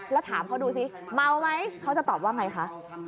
แล้วถามเขาดูสิเมาไหมเขาจะตอบว่าไงคะ